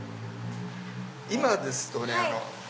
今ですとね